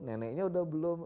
neneknya sudah belum